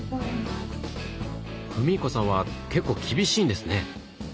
史彦さんは結構厳しいんですね？